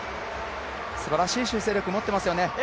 すばらしい修正力持ってますよね。